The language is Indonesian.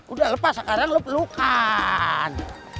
udah lepas sekarang lu perlukan